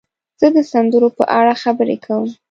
زه د سندرو په اړه خبرې کوم.